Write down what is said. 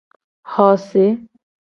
Xose.